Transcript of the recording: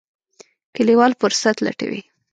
کلیوال فرصت لټوي.